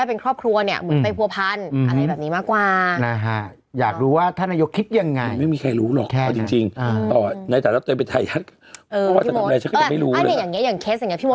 อันนี้อย่างนี้อย่างเคสอย่างนี้พี่มดเคยเจอแบบอย่างนี้ไหม